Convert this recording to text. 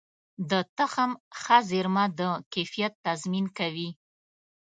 د تخم ښه زېرمه د کیفیت تضمین کوي.